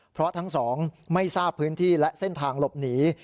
เพราะทั้งสองไม่ทราบพื้นที่และเส้นทางหลบหนี